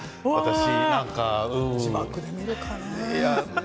字幕で見るとね。